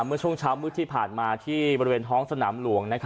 เมื่อช่วงเช้ามืดที่ผ่านมาที่บริเวณท้องสนามหลวง